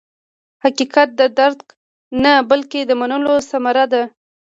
حقیقت د درک نه، بلکې د منلو ثمره ده.